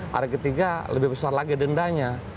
hari ketiga lebih besar lagi dendanya